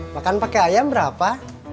nah kan pake ayam berapa